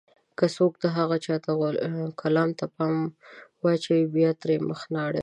که څوک د هغه کلام ته پام واچوي، بيا ترې مخ نه اړوي.